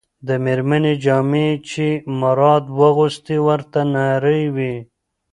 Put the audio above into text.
د مېرمنې جامې چې مراد واغوستې، ورته نرۍ وې.